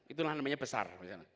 itulah namanya besar